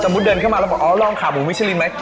เดินเข้ามาแล้วบอกอ๋อลองขาหมูมิชลินไหม